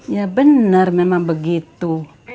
ya bener memang begitu